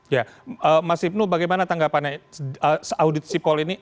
ya mas ibnul bagaimana tanggapannya audit sipol ini